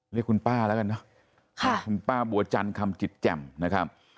เรียกคุณป้าแล้วกันเนอะคุณป้าบัวจันคำจิตแจ่มนะครับ